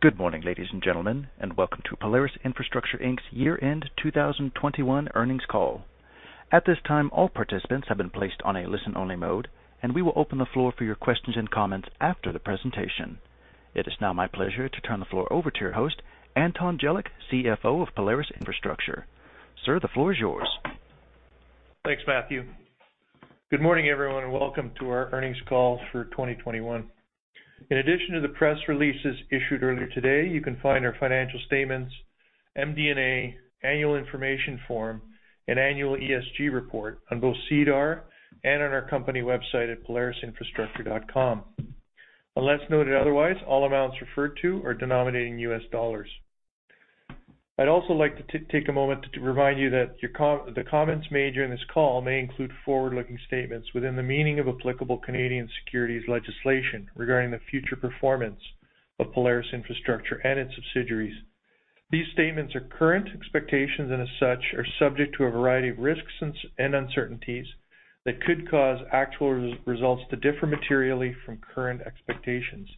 Good morning, ladies and gentlemen, and welcome to Polaris Infrastructure Inc.'s year-end 2021 earnings call. At this time, all participants have been placed on a listen-only mode, and we will open the floor for your questions and comments after the presentation. It is now my pleasure to turn the floor over to your host, Anton Jelic, CFO of Polaris Infrastructure. Sir, the floor is yours. Thanks, Matthew. Good morning, everyone, and welcome to our earnings call for 2021. In addition to the press releases issued earlier today, you can find our financial statements, MD&A, annual information form, and annual ESG report on both SEDAR and on our company website at polarisinfrastructure.com. Unless noted otherwise, all amounts referred to are denominated in U.S. dollars. I'd also like to take a moment to remind you that the comments made during this call may include forward-looking statements within the meaning of applicable Canadian securities legislation regarding the future performance of Polaris Infrastructure and its subsidiaries. These statements are current expectations and as such, are subject to a variety of risks and uncertainties that could cause actual results to differ materially from current expectations.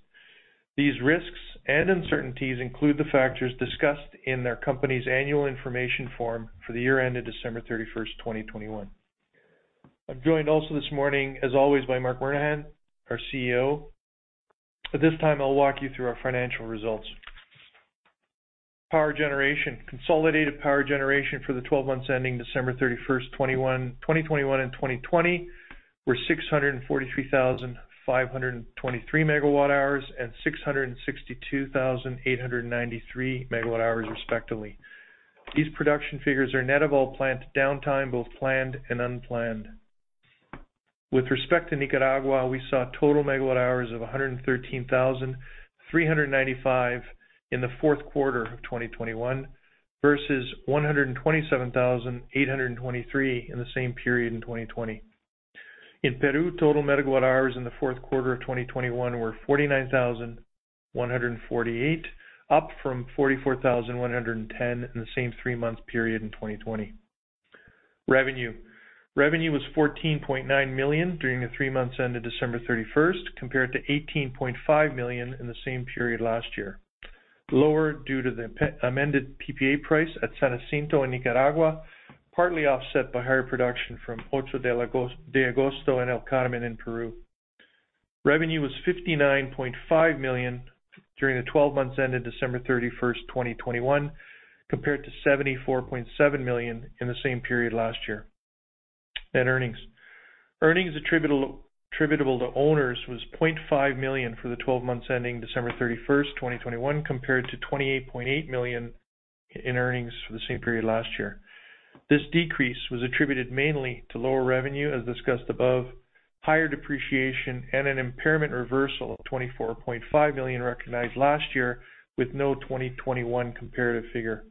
These risks and uncertainties include the factors discussed in their company's annual information form for the year ended December 31st, 2021. I'm joined also this morning, as always, by Marc Murnaghan, our CEO. At this time, I'll walk you through our financial results. Power generation. Consolidated power generation for the 12 months ending December 31st, 2021 and 2020 were 643,523 MWh and 662,893 MWh respectively. These production figures are net of all plant downtime, both planned and unplanned. With respect to Nicaragua, we saw total megawatt-hours of 113,395 MWh in the fourth quarter of 2021 versus 127,823 MWh in the same period in 2020. In Peru, total megawatt-hours in the fourth quarter of 2021 were 49,148 MWh, up from 44,110 MWh in the same three-month period in 2020. Revenue was $14.9 million during the three months ended December 31st, compared to $18.5 million in the same period last year. Lower due to the amended PPA price at San Jacinto in Nicaragua, partly offset by higher production from 8 de Agosto and El Carmen in Peru. Revenue was $59.5 million during the twelve months ended December 31, 2021, compared to $74.7 million in the same period last year. Net earnings. Earnings attributable to owners was $0.5 million for the 12 months ending December 31st, 2021, compared to $28.8 million in earnings for the same period last year. This decrease was attributed mainly to lower revenue, as discussed above, higher depreciation and an impairment reversal of $24.5 million recognized last year with no 2021 comparative figure.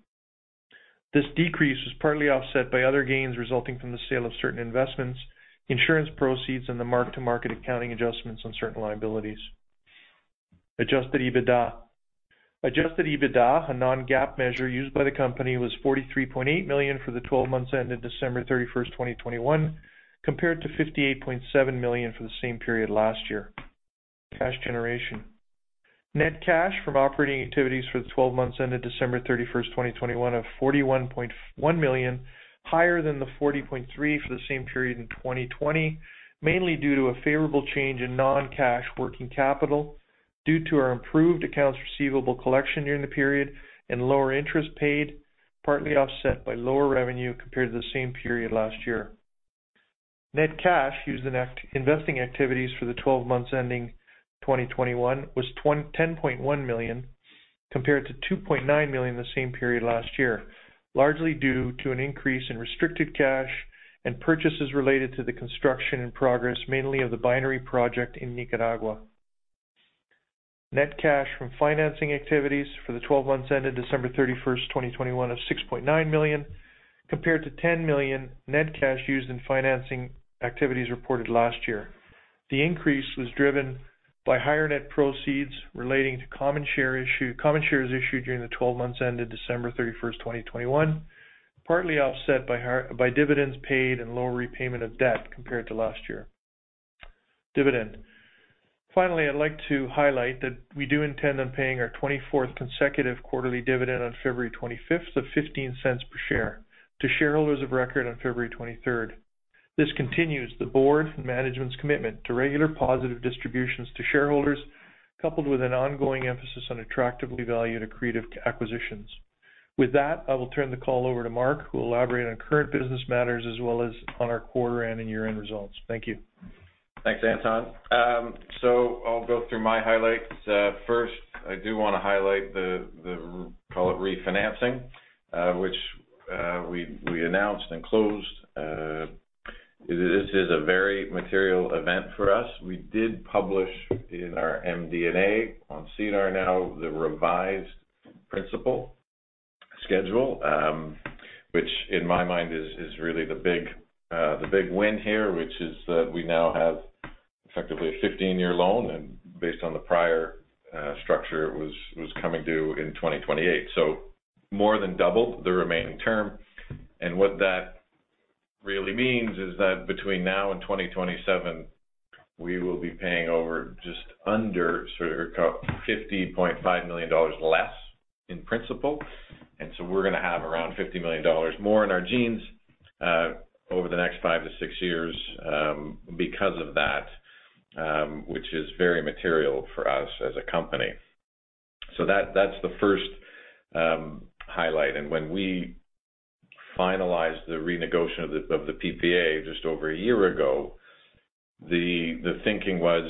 This decrease was partly offset by other gains resulting from the sale of certain investments, insurance proceeds, and the mark-to-market accounting adjustments on certain liabilities. Adjusted EBITDA, a non-GAAP measure used by the company, was $43.8 million for the 12 months ended December 31st, 2021, compared to $58.7 million for the same period last year. Cash generation. Net cash from operating activities for the 12 months ended December 31st, 2021 of $41.1 million, higher than the $40.3 million for the same period in 2020, mainly due to a favorable change in non-cash working capital due to our improved accounts receivable collection during the period and lower interest paid, partly offset by lower revenue compared to the same period last year. Net cash used in investing activities for the 12 months ending 2021 was $10.1 million, compared to $2.9 million the same period last year, largely due to an increase in restricted cash and purchases related to the construction in progress, mainly of the binary project in Nicaragua. Net cash from financing activities for the 12 months ended December 31st, 2021 of $6.9 million, compared to $10 million net cash used in financing activities reported last year. The increase was driven by higher net proceeds relating to common shares issued during the 12 months ended December 31st, 2021, partly offset by higher dividends paid and lower repayment of debt compared to last year. Finally, I'd like to highlight that we do intend on paying our 24th consecutive quarterly dividend on February 25th of $0.15 per share to shareholders of record on February 23rd. This continues the board and management's commitment to regular positive distributions to shareholders, coupled with an ongoing emphasis on attractively valued accretive acquisitions. With that, I will turn the call over to Marc, who will elaborate on current business matters as well as on our quarter-end and year-end results. Thank you. Thanks, Anton. So I'll go through my highlights. First, I do wanna highlight the call it refinancing, which we announced and closed. This is a very material event for us. We did publish in our MD&A on SEDAR now the revised principal schedule, which in my mind is really the big win here, which is that we now have effectively a 15-year loan, and based on the prior structure, it was coming due in 2028. More than doubled the remaining term. What that really means is that between now and 2027, we will be paying over just under sort of $50.9 million less in principal. We're going to have around $50 million more in our jeans over the next five or six years because of that, which is very material for us as a company. That's the first highlight. When we finalized the renegotiation of the PPA just over a year ago, the thinking was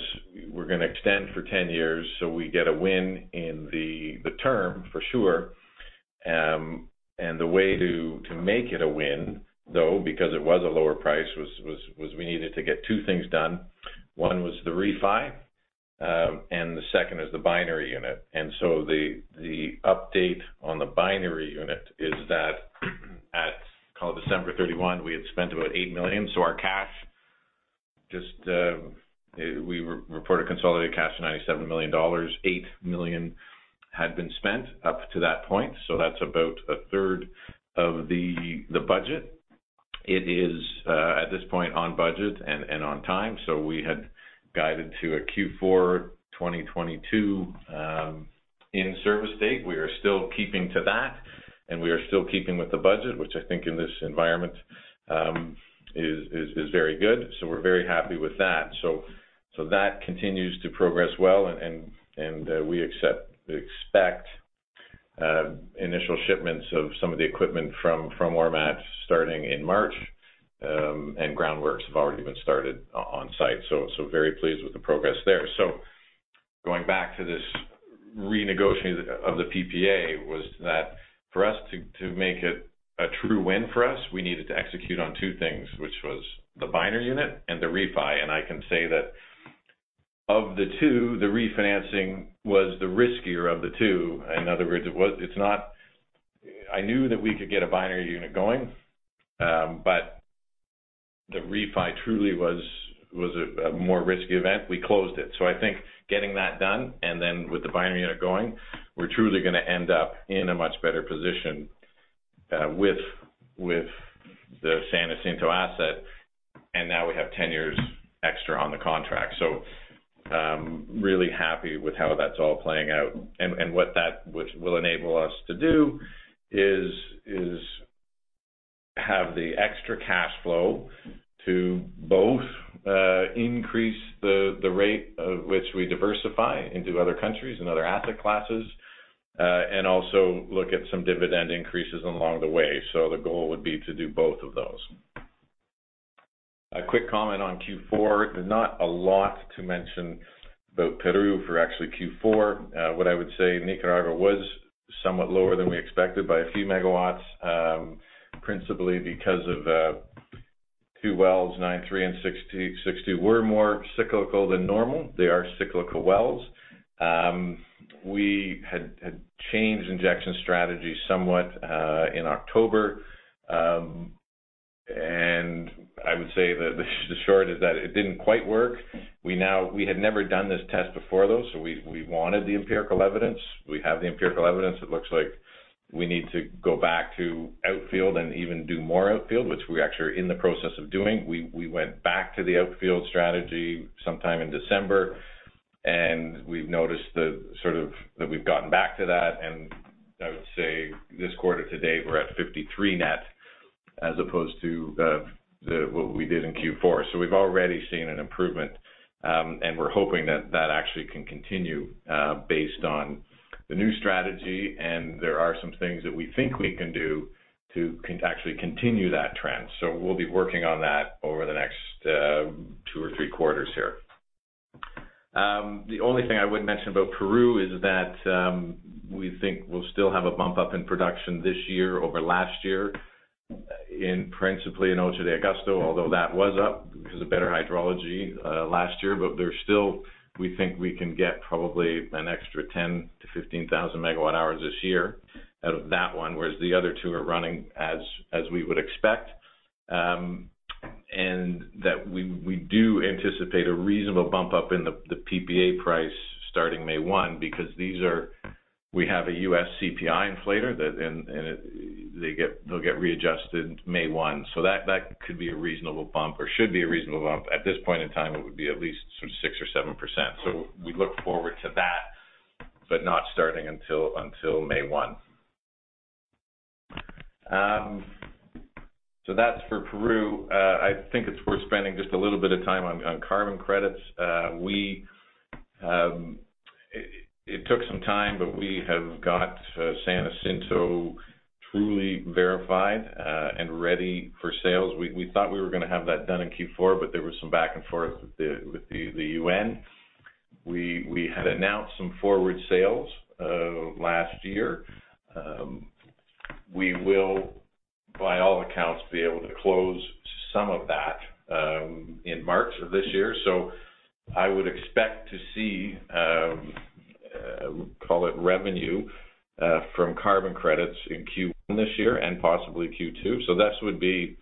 we're gonna extend for 10 years, so we get a win in the term for sure. The way to make it a win, though, because it was a lower price, was we needed to get two things done. One was the refi, and the second is the binary unit. The update on the binary unit is that as of December 31, we had spent about $8 million. We reported consolidated cash of $97 million. $8 million had been spent up to that point. That's about 1/3 of the budget. It is at this point on budget and we expect initial shipments of some of the equipment from Ormat starting in March, and groundworks have already been started on site. Very pleased with the progress there. Going back to this renegotiation of the PPA, for us to make it a true win for us, we needed to execute on two things, which was the binary unit and the refi. I can say that of the two, the refinancing was the riskier of the two. In other words, I knew that we could get a binary unit going, but the refi truly was a more risky event. We closed it. I think getting that done and then with the binary unit going, we're truly gonna end up in a much better position with the San Jacinto asset. Now we have 10 years extra on the contract. Really happy with how that's all playing out. What that which will enable us to do is have the extra cash flow to both increase the rate at which we diversify into other countries and other asset classes and also look at some dividend increases along the way. The goal would be to do both of those. A quick comment on Q4. Not a lot to mention about Peru for actually Q4. What I would say, Nicaragua was somewhat lower than we expected by a few megawatts, principally because of two wells, 93 MW and 60 MW, were more cyclical than normal. They are cyclical wells. We had changed injection strategy somewhat in October. And I would say that in short it didn't quite work. We had never done this test before, though, so we wanted the empirical evidence. We have the empirical evidence. It looks like we need to go back to outfield and even do more outfield, which we actually are in the process of doing. We went back to the outfield strategy sometime in December, and we've noticed that we've gotten back to that. I would say this quarter to date, we're at 53 MW net as opposed to what we did in Q4. We've already seen an improvement, and we're hoping that that actually can continue based on the new strategy. There are some things that we think we can do to actually continue that trend. We'll be working on that over the next two or three quarters here. The only thing I would mention about Peru is that we think we'll still have a bump up in production this year over last year principally in 8 de Agosto, although that was up because of better hydrology last year Agosto. There's still we think we can get probably an extra 10,000 MWh-15,000 MWh this year out of that one, whereas the other two are running as we would expect. And that we do anticipate a reasonable bump up in the PPA price starting May 1, because we have a U.S. CPI inflator and they'll get readjusted May 1. That could be a reasonable bump or should be a reasonable bump. At this point in time, it would be at least sort of 6%-7%. We look forward to that, but not starting until May 1. That's for Peru. I think it's worth spending just a little bit of time on carbon credits. It took some time, but we have got San Jacinto truly verified and ready for sales. We thought we were gonna have that done in Q4, but there was some back and forth with the UN. We had announced some forward sales last year. We will, by all accounts, be able to close some of that in March of this year. I would expect to see call it revenue from carbon credits in Q1 this year and possibly Q2. This would be,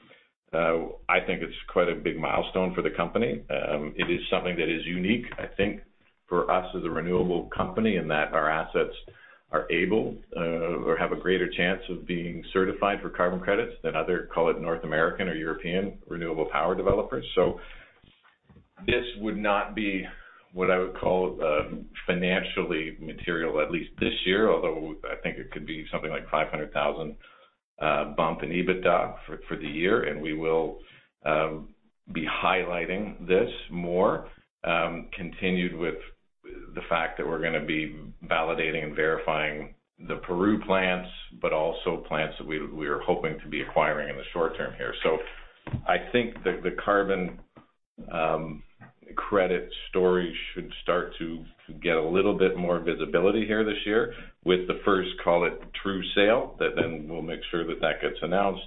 I think it's quite a big milestone for the company. It is something that is unique, I think, for us as a renewable company in that our assets are able, or have a greater chance of being certified for carbon credits than other, call it North American or European renewable power developers. This would not be what I would call financially material, at least this year, although I think it could be something like $500,000 bump in EBITDA for the year. We will be highlighting this more, continued with the fact that we're gonna be validating and verifying the Peru plants, but also plants that we are hoping to be acquiring in the short term here. I think the carbon credit story should start to get a little bit more visibility here this year with the first, call it true sale, that then we'll make sure that that gets announced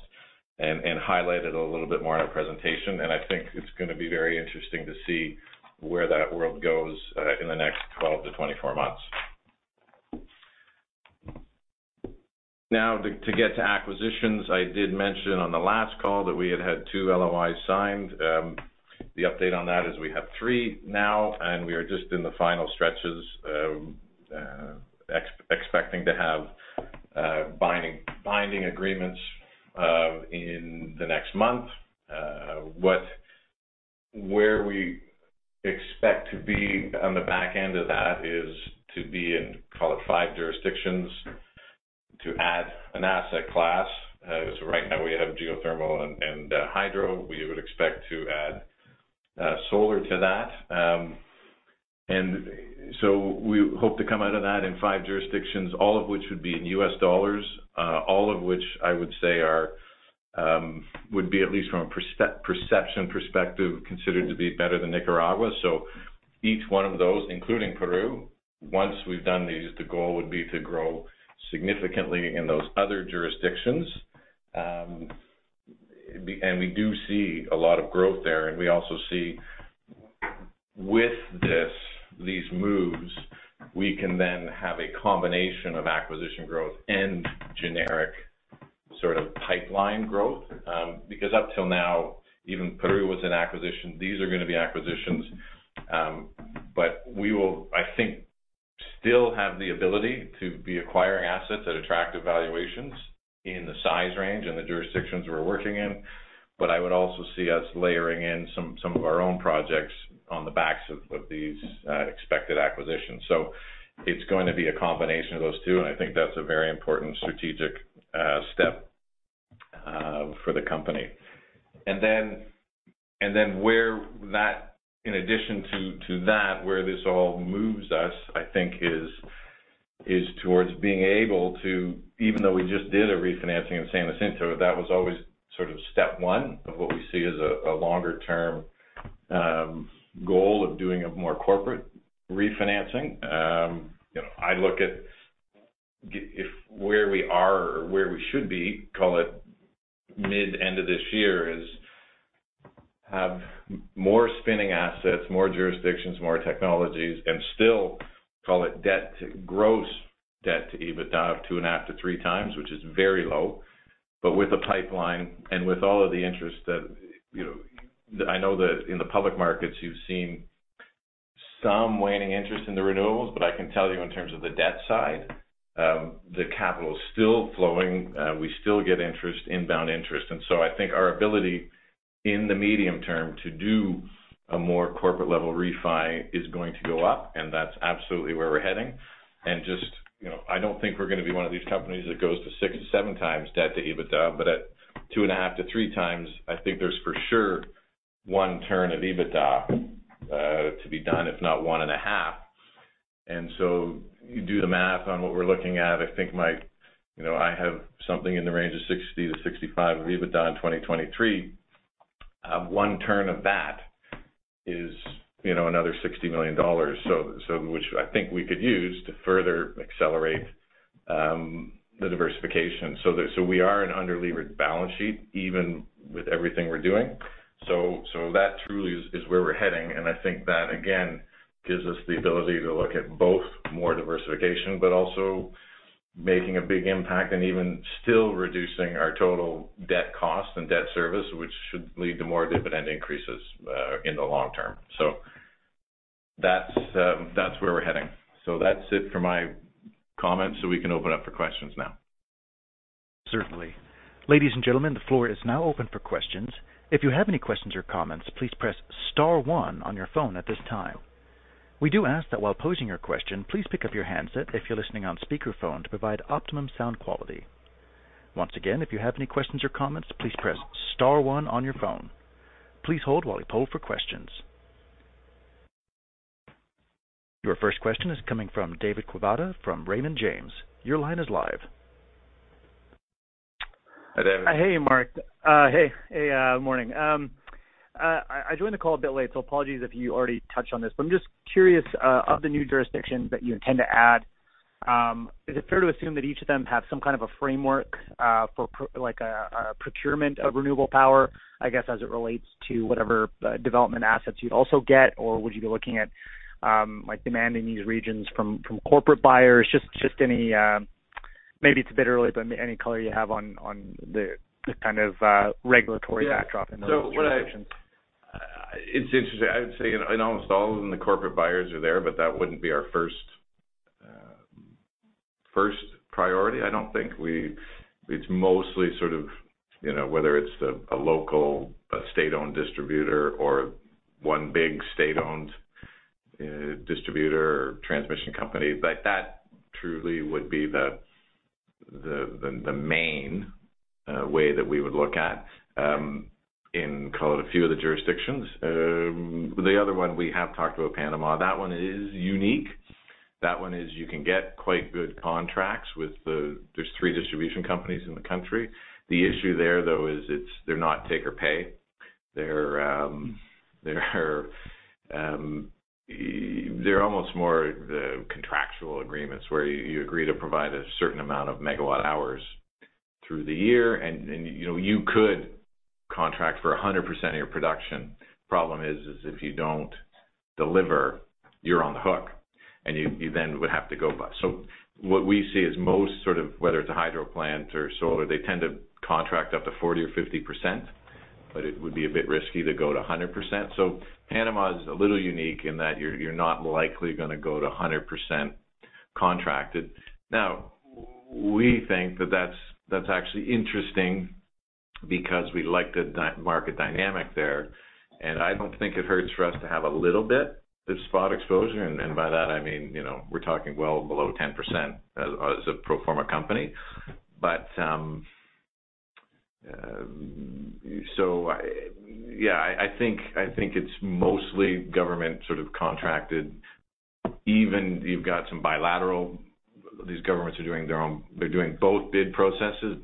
and highlighted a little bit more in our presentation. I think it's gonna be very interesting to see where that world goes in the next 12-24 months. Now to get to acquisitions, I did mention on the last call that we had two LOIs signed. The update on that is we have three now, and we are just in the final stretches expecting to have binding agreements in the next month. Where we expect to be on the back end of that is to be in call it five jurisdictions to add an asset class. Right now we have geothermal and hydro. We would expect to add solar to that. We hope to come out of that in five jurisdictions, all of which would be in U.S. dollars, all of which I would say would be at least from a perception perspective, considered to be better than Nicaragua. Each one of those, including Peru, once we've done these, the goal would be to grow significantly in those other jurisdictions. We do see a lot of growth there, and we also see with this, these moves, we can then have a combination of acquisition growth and generic sort of pipeline growth. Because up till now, even Peru was an acquisition. These are gonna be acquisitions. We will, I think, still have the ability to be acquiring assets at attractive valuations in the size range, in the jurisdictions we're working in. I would also see us layering in some of our own projects on the backs of these expected acquisitions. It's going to be a combination of those two, and I think that's a very important strategic step for the company. In addition to that, where this all moves us, I think is towards being able to, even though we just did a refinancing in San Jacinto, that was always sort of step one of what we see as a longer-term goal of doing a more corporate refinancing. You know, I look at if where we are or where we should be, call it mid- to end of this year, is to have more spinning assets, more jurisdictions, more technologies, and still call it gross debt to EBITDA of 2.5x-3x, which is very low. With the pipeline and with all of the interest that, you know, I know that in the public markets you've seen some waning interest in the renewables, but I can tell you in terms of the debt side, the capital is still flowing. We still get interest, inbound interest. I think our ability in the medium term to do a more corporate level refi is going to go up, and that's absolutely where we're heading. Just, you know, I don't think we're gonna be one of these companies that goes to 6x or 7x debt to EBITDA. At 2.5x-3x, I think there's for sure one turn of EBITDA to be done, if not 1.5x. You do the math on what we're looking at. I think my, you know, I have something in the range of $60 million-$65 million of EBITDA in 2023. One turn of that is, you know, another $60 million. We are an under-levered balance sheet even with everything we're doing. That truly is where we're heading. I think that again, gives us the ability to look at both more diversification, but also making a big impact and even still reducing our total debt cost and debt service, which should lead to more dividend increases, in the long term. That's where we're heading. That's it for my comments, so we can open up for questions now. Certainly. Ladies and gentlemen, the floor is now open for questions. If you have any questions or comments, please press star one on your phone at this time. We do ask that while posing your question, please pick up your handset if you're listening on speakerphone to provide optimum sound quality. Once again, if you have any questions or comments, please press star one on your phone. Please hold while we poll for questions. Your first question is coming from David Quezada from Raymond James. Your line is live. Hi, David. Hey, Marc. Good morning. I joined the call a bit late, so apologies if you already touched on this, but I'm just curious of the new jurisdictions that you intend to add, is it fair to assume that each of them have some kind of a framework for like a procurement of renewable power? I guess, as it relates to whatever development assets you'd also get. Or would you be looking at like demanding these regions from corporate buyers? Just any, maybe it's a bit early, but any color you have on the kind of regulatory backdrop in those jurisdictions. It's interesting. I would say in almost all of them, the corporate buyers are there, but that wouldn't be our first priority, I don't think. It's mostly sort of, you know, whether it's a local, a state-owned distributor or one big state-owned distributor or transmission company. That truly would be the main way that we would look at in, call it, a few of the jurisdictions. The other one we have talked about Panama. That one is unique. That one is you can get quite good contracts with the three distribution companies in the country. The issue there, though, is they're not take-or-pay. They're almost more the contractual agreements where you agree to provide a certain amount of megawatt-hours through the year and, you know, you could contract for 100% of your production. Problem is if you don't deliver, you're on the hook, and you then would have to go. What we see is most sort of whether it's a hydro plant or solar, they tend to contract up to 40% or 50%, but it would be a bit risky to go to 100%. Panama is a little unique in that you're not likely gonna go to 100% contracted. Now, we think that that's actually interesting because we like the market dynamic there, and I don't think it hurts for us to have a little bit of spot exposure. By that I mean, you know, we're talking well below 10% as a pro forma company. I think it's mostly government sort of contracted. Even you've got some bilateral. They're doing both bid processes,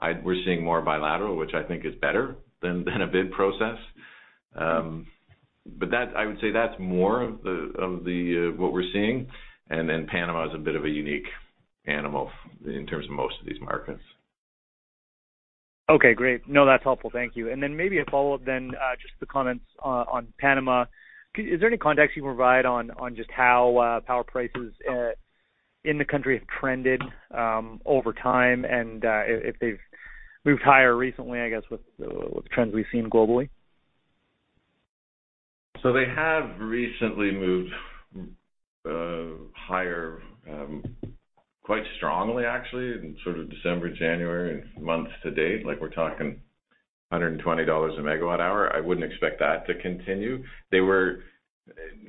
but we're seeing more bilateral, which I think is better than a bid process. I would say that's more of the what we're seeing. Panama is a bit of a unique animal in terms of most of these markets. Okay, great. No, that's helpful. Thank you. Then maybe a follow-up then, just the comments on Panama. Is there any context you can provide on just how power prices in the country have trended over time, and if they've moved higher recently, I guess, with the trends we've seen globally? They have recently moved higher quite strongly actually in sort of December, January, and months to date. Like, we're talking $120/MWh. I wouldn't expect that to continue.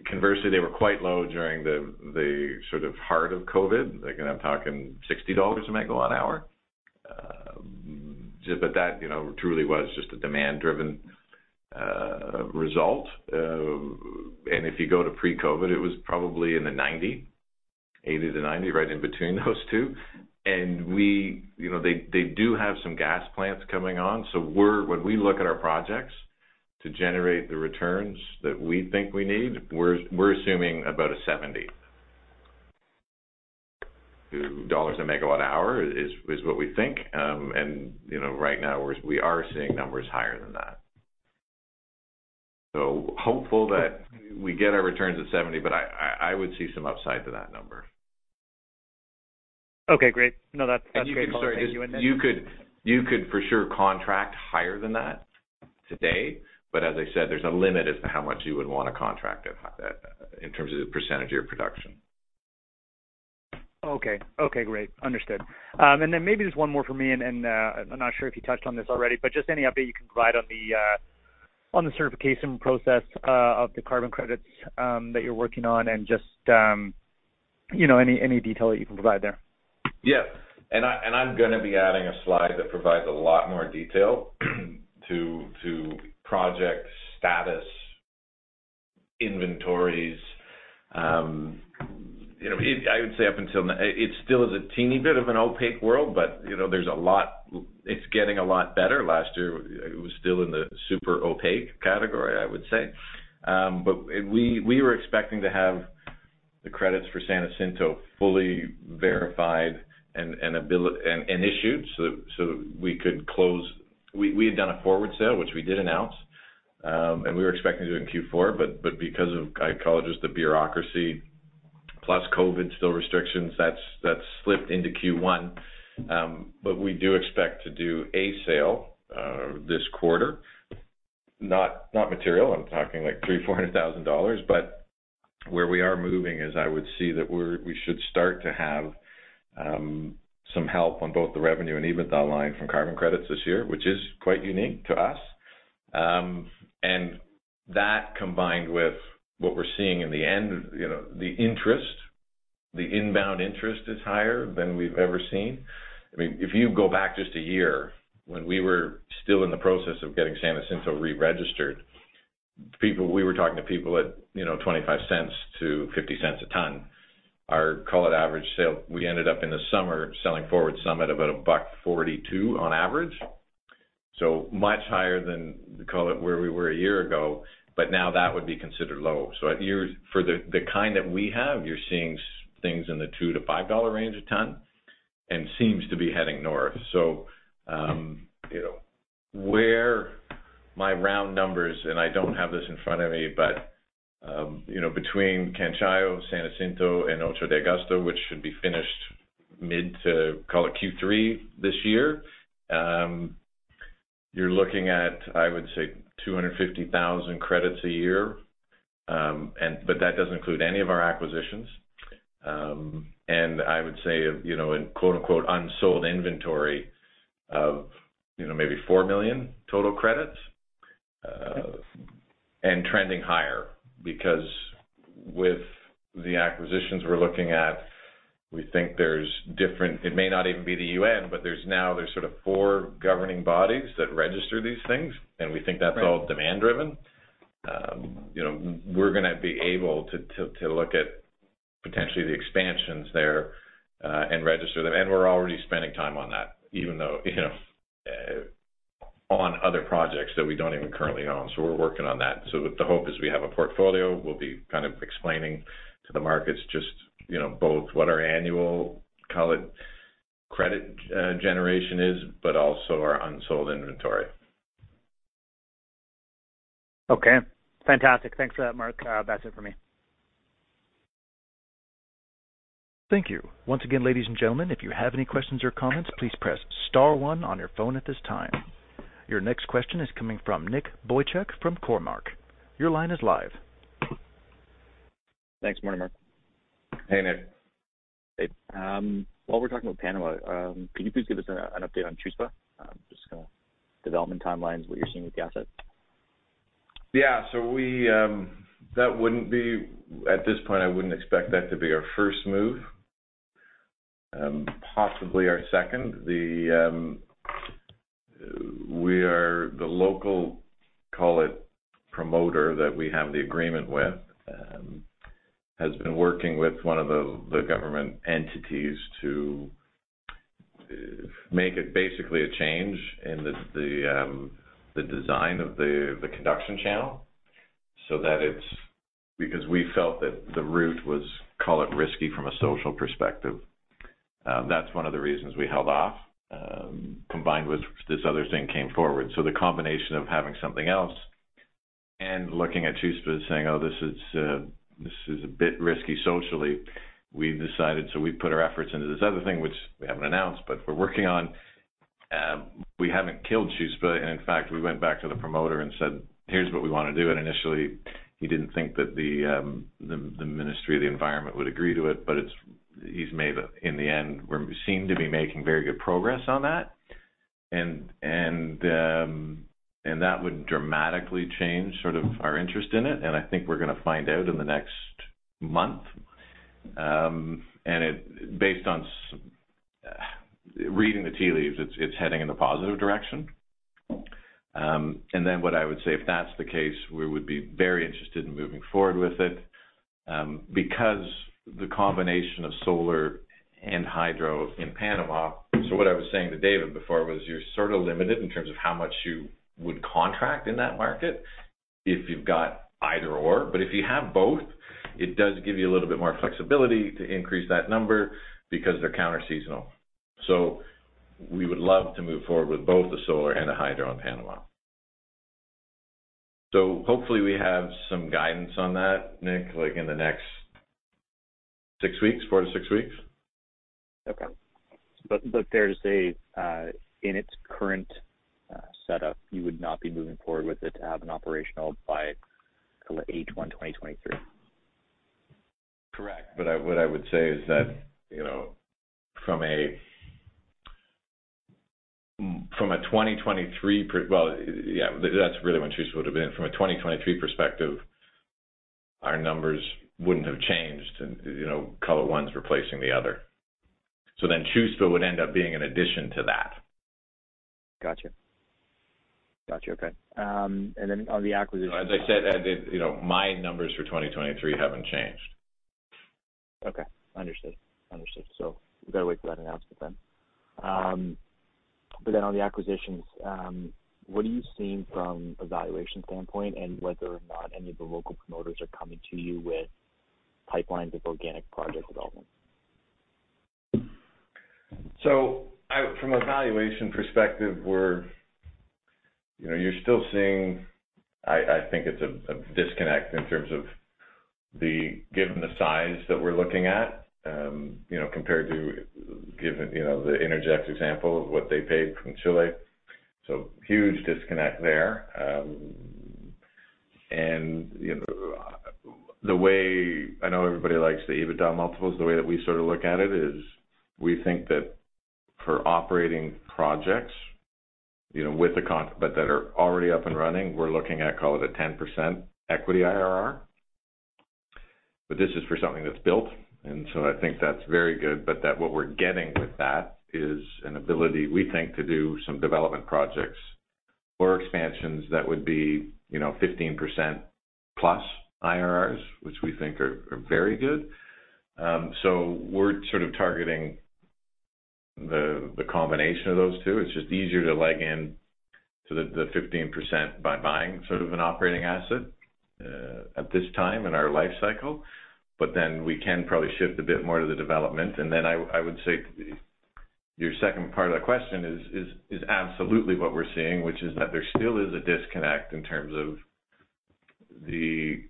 Conversely, they were quite low during the sort of heart of COVID. Like, I'm talking $60/MWh. Just but that, you know, truly was just a demand-driven result. If you go to pre-COVID, it was probably in the $80/MWh-$90MWh, right in between those two. You know, they do have some gas plants coming on. When we look at our projects to generate the returns that we think we need, we're assuming about a $70/MWh is what we think. you know, right now we are seeing numbers higher than that. Hopeful that we get our returns at $70/MWh, but I would see some upside to that number. Okay, great. No, that's great. You could sort of just. Color for you. You could for sure contract higher than that today. As I said, there's a limit as to how much you would want to contract at, in terms of the percentage of your production. Okay. Okay, great. Understood. Maybe just one more for me, and I'm not sure if you touched on this already, but just any update you can provide on the certification process of the carbon credits that you're working on and just you know, any detail that you can provide there. Yeah. I'm gonna be adding a slide that provides a lot more detail to project status inventories. You know, I would say up until now, it still is a teeny bit of an opaque world, but you know, it's getting a lot better. Last year it was still in the super opaque category, I would say. We were expecting to have the credits for San Jacinto fully verified and issued so we could close. We had done a forward sale, which we did announce, and we were expecting to do in Q4, but because of, I call it just the bureaucracy plus COVID still restrictions, that's slipped into Q1. We do expect to do a sale this quarter. Not material. I'm talking like $300,000-$400,000. Where we are moving is I would see that we should start to have some help on both the revenue and EBITDA line from carbon credits this year, which is quite unique to us. And that combined with what we're seeing in the end, you know, the interest, the inbound interest is higher than we've ever seen. I mean, if you go back just a year when we were still in the process of getting San Jacinto re-registered, we were talking to people at, you know, $0.25-$0.50 a tonne. Our call it average sale, we ended up in the summer selling forward some at about $1.42 on average. Much higher than, call it, where we were a year ago, but now that would be considered low. At year's end for the kind that we have, you're seeing things in the $2-$5 range a tonne and seems to be heading north. With my round numbers, and I don't have this in front of me, but, between Canchayo, San Jacinto, and 8 de Agosto, which should be finished mid- to call it Q3 this year. You're looking at, I would say 250,000 credits a year. But that doesn't include any of our acquisitions. I would say, in "unsold inventory" of, maybe 4 million total credits, and trending higher because with the acquisitions we're looking at, we think there's different. It may not even be the UN, but there's sort of four governing bodies that register these things, and we think that's all demand-driven. You know, we're gonna be able to look at potentially the expansions there, and register them. We're already spending time on that even though, you know, on other projects that we don't even currently own. We're working on that. The hope is we have a portfolio. We'll be kind of explaining to the markets just, you know, both what our annual, call it credit, generation is, but also our unsold inventory. Okay. Fantastic. Thanks for that, Marc. That's it for me. Thank you. Once again, ladies and gentlemen, if you have any questions or comments, please press star one on your phone at this time. Your next question is coming from Nick Boychuk from Cormark. Your line is live. Thanks. Good morning, Marc. Hey, Nick. Hey. While we're talking about Panama, could you please give us an update on Chuspa? Just kinda development timelines, what you're seeing with the asset. At this point, I wouldn't expect that to be our first move, possibly our second. The local promoter that we have the agreement with has been working with one of the government entities to make it basically a change in the design of the conduction channel so that it's because we felt that the route was, call it, risky from a social perspective. That's one of the reasons we held off, combined with this other thing came forward. The combination of having something else and looking at Chuspa saying, "Oh, this is a bit risky socially," we decided. We put our efforts into this other thing, which we haven't announced, but we're working on. We haven't killed Chuspa, and in fact, we went back to the promoter and said, "Here's what we wanna do." Initially, he didn't think that the ministry of the environment would agree to it, but in the end, we're seen to be making very good progress on that. That would dramatically change sort of our interest in it, and I think we're gonna find out in the next month. Based on reading the tea leaves, it's heading in a positive direction. Then what I would say, if that's the case, we would be very interested in moving forward with it, because the combination of solar and hydro in Panama. What I was saying to David before was you're sort of limited in terms of how much you would contract in that market if you've got either/or, but if you have both, it does give you a little bit more flexibility to increase that number because they're counter-seasonal. We would love to move forward with both the solar and the hydro in Panama. Hopefully we have some guidance on that, Nick, like in the next four to six weeks. Okay. Fair to say, in its current setup, you would not be moving forward with it to have an operational by kinda H1 2023? Correct. What I would say is that, you know, well, yeah, that's really when Chuspa would've been. From a 2023 perspective, our numbers wouldn't have changed and, you know, call it one's replacing the other. Chuspa would end up being an addition to that. Gotcha. Okay. On the acquisitions. As I said, you know, my numbers for 2023 haven't changed. Okay. Understood. We better wait for that announcement then. On the acquisitions, what are you seeing from a valuation standpoint and whether or not any of the local promoters are coming to you with pipelines of organic project development? From a valuation perspective, you know, you're still seeing, I think, it's a disconnect in terms of, given the size that we're looking at, you know, compared to, given, you know, the InterEnergy example of what they paid from Chile. Huge disconnect there. You know, the way I know everybody likes the EBITDA multiples, the way that we sort of look at it is we think that for operating projects, you know, with the contracts that are already up and running, we're looking at, call it a 10% equity IRR. This is for something that's built, I think that's very good. That's what we're getting with that is an ability, we think, to do some development projects or expansions that would be, you know, 15%+ IRRs, which we think are very good. So we're sort of targeting the combination of those two. It's just easier to leg in to the 15% by buying sort of an operating asset at this time in our life cycle. But then we can probably shift a bit more to the development. I would say your second part of that question is absolutely what we're seeing, which is that there still is a disconnect in terms of the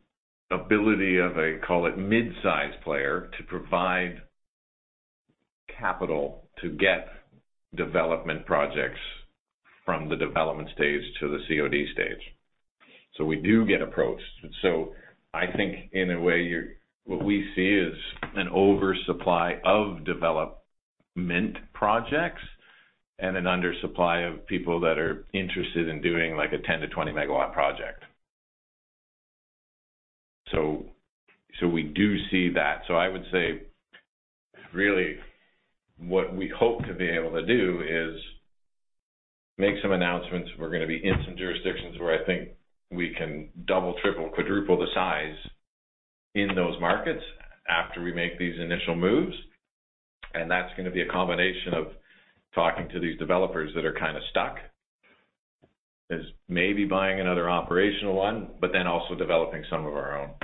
ability of a, call it midsize player, to provide capital to get development projects from the development stage to the COD stage. So we do get approached. I think in a way, what we see is an oversupply of development projects and an undersupply of people that are interested in doing, like, a 10 MW-20 MW project. We do see that. I would say, really what we hope to be able to do is make some announcements. We're gonna be in some jurisdictions where I think we can double, triple, quadruple the size in those markets after we make these initial moves. That's gonna be a combination of talking to these developers that are kinda stuck, is maybe buying another operational one, but then also developing some of our own.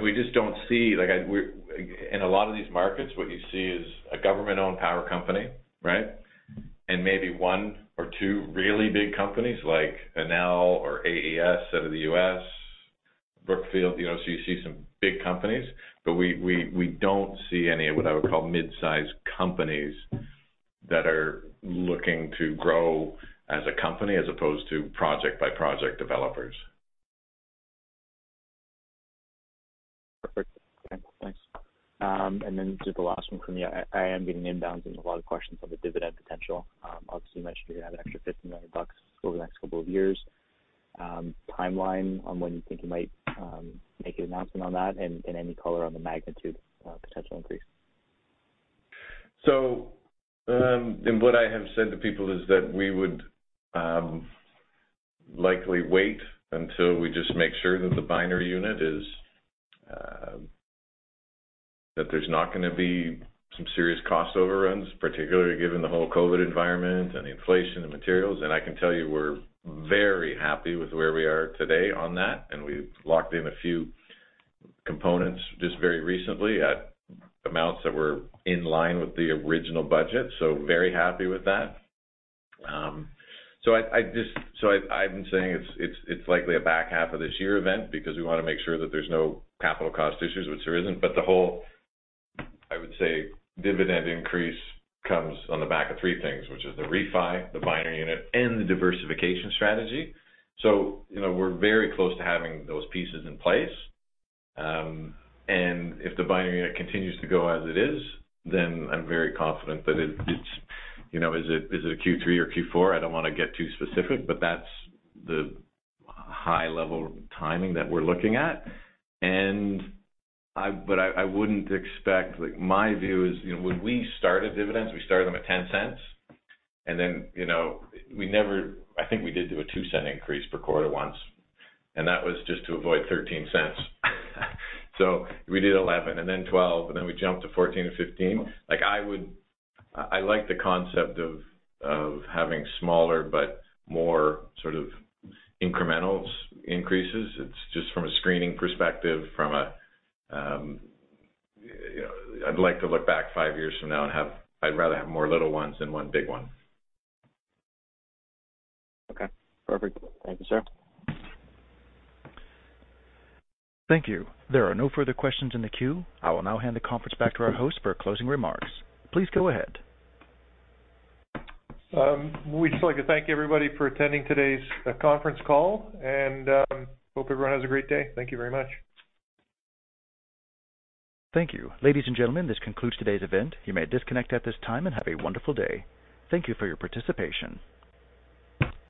We just don't see. Like in a lot of these markets, what you see is a government-owned power company, right? Maybe one or two really big companies like Enel or AES out of the U.S., Brookfield. You know, you see some big companies, but we don't see any of what I would call mid-size companies that are looking to grow as a company as opposed to project-by-project developers. Perfect. Okay, thanks. Just the last one from me. I am getting inbounds and a lot of questions on the dividend potential. Obviously you mentioned you're gonna have an extra $15 million over the next couple of years. Timeline on when you think you might make an announcement on that and any color on the magnitude potential increase. What I have said to people is that we would likely wait until we just make sure that the binary unit is that there's not gonna be some serious cost overruns, particularly given the whole COVID environment and inflation and materials. I can tell you we're very happy with where we are today on that. We've locked in a few components just very recently at amounts that were in line with the original budget. Very happy with that. I've been saying it's likely a back half of this year event because we wanna make sure that there's no capital cost issues, which there isn't. The whole, I would say, dividend increase comes on the back of three things, which is the refi, the binary unit, and the diversification strategy. You know, we're very close to having those pieces in place. If the binary unit continues to go as it is, then I'm very confident that it's, you know. Is it a Q3 or Q4? I don't wanna get too specific, but that's the high level timing that we're looking at. Like, my view is, you know, when we started dividends, we started them at $0.10. Then, you know, I think we did do a $0.02 increase per quarter once, and that was just to avoid $0.13. We did $0.11 and then $0.12, and then we jumped to $0.14 and $0.15. Like, I like the concept of having smaller but more sort of incremental increases. It's just from a screening perspective, you know. I'd like to look back five years from now. I'd rather have more little ones than one big one. Okay, perfect. Thank you, sir. Thank you. There are no further questions in the queue. I will now hand the conference back to our host for closing remarks. Please go ahead. We'd just like to thank everybody for attending today's conference call. We hope everyone has a great day. Thank you very much. Thank you. Ladies and gentlemen, this concludes today's event. You may disconnect at this time and have a wonderful day. Thank you for your participation.